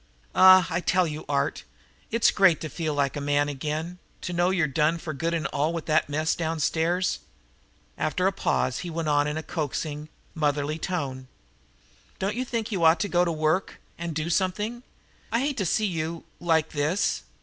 "Ah, I tell you, Art, it's great to feel like a man again, to know you're done for good and all with that mess downstairs." After a pause he went on in a coaxing, motherly tone. "Don't you think you ought to go to work and do something? I hate to see you like this.